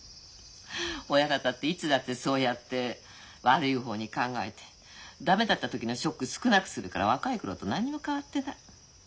親方っていつだってそうやって悪い方に考えて駄目だった時のショック少なくするから若い頃と何にも変わってない。